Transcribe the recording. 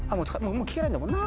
もう聞けないんだもんな？